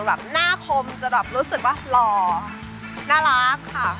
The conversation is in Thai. แบบหน้าคมจะแบบรู้สึกว่าหล่อน่ารักค่ะ